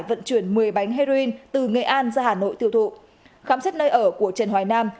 vận chuyển một mươi bánh heroin từ nghệ an ra hà nội tiêu thụ khám xét nơi ở của trần hoài nam